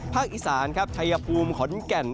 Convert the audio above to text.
อีสานครับชัยภูมิขอนแก่น